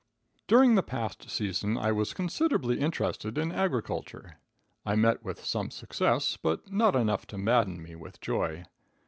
During the past season I was considerably interested in agriculture. I met with some success, but not enough to madden me with joy.